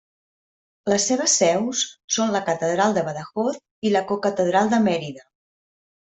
Les seves seus són la Catedral de Badajoz i la Cocatedral de Mèrida.